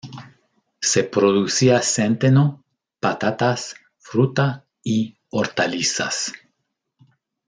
Se producía centeno, patatas, fruta y hortalizas.